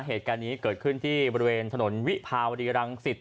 เหตุการณ์นี้เกิดขึ้นที่บริเวณถนนวิภาวดีรังสิต